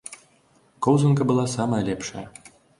Коўзанка была самая лепшая.